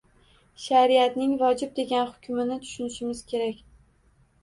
Shariatning vojib degan hukmini tushunishimiz kerak